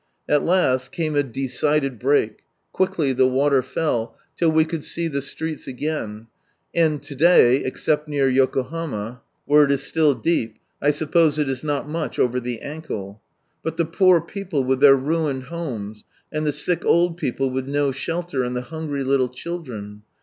At last came a decided break. Quickly the waier fell, till we could see the streets again ; and to day, except near Yokohama, where it is still deep, I suppose it is not much over the ankle. But the poor people with their ruined homes, and the sick otd people with no shelter, and the hungry little children